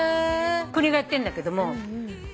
国がやってんだけども。